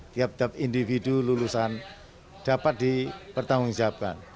tiap tiap individu lulusan dapat dipertanggungjawabkan